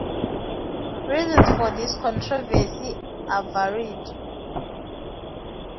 Reasons for this controversy are varied.